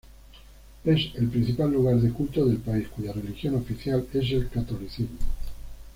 Es el principal lugar de culto del país, cuya religión oficial es el catolicismo.